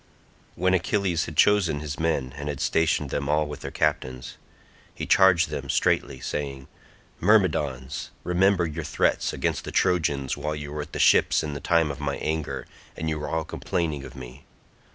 When Achilles had chosen his men and had stationed them all with their captains, he charged them straitly saying, "Myrmidons, remember your threats against the Trojans while you were at the ships in the time of my anger, and you were all complaining of me.